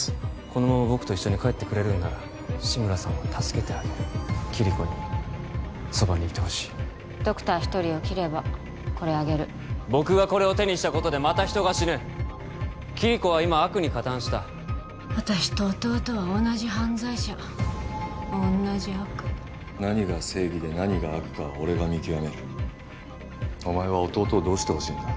このまま僕と一緒に帰ってくれるんなら志村さんは助けてあげるキリコにそばにいてほしいドクター一人を切ればこれあげる僕がこれを手にしたことでまた人が死ぬキリコは今悪に加担した私と弟は同じ犯罪者同じ悪何が正義で何が悪かは俺が見極めるお前は弟をどうしてほしいんだ？